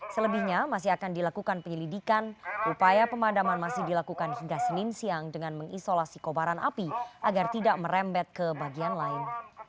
selebihnya masih akan dilakukan penyelidikan upaya pemadaman masih dilakukan hingga senin siang dengan mengisolasi kobaran api agar tidak merembet ke bagian lain